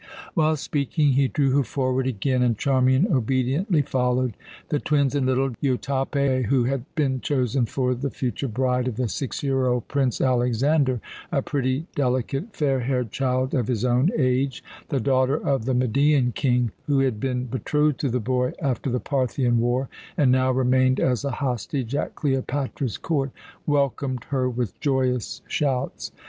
While speaking, he drew her forward again, and Charmian obediently followed. The twins and little Jotape, who had been chosen for the future bride of the six year old Prince Alexander a pretty, delicate, fair haired child of his own age, the daughter of the Median king, who had been betrothed to the boy after the Parthian war, and now remained as a hostage at Cleopatra's court welcomed her with joyous shouts.